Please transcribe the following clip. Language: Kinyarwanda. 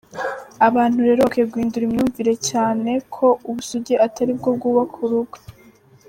Abantu rero bakwiye guhindura imyumvire cyane ko ubusugi atari bwo bwubaka urugo.